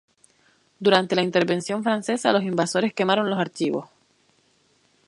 Durante la Intervención Francesa, los invasores quemaron los archivos.